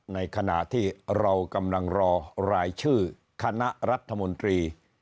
ในขณะที่เรากำลังรอรายชื่อคณะรัฐมนตรี